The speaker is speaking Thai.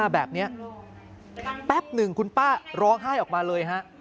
แบบนี้แป๊บหนึ่งคุณป้าร้องไห้ออกมาเลยฮะ